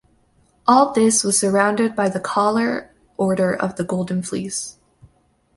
All this was surrounded by the collar Order of the Golden Fleece.